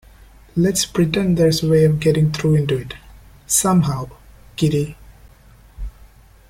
Let’s pretend there’s a way of getting through into it, somehow, Kitty.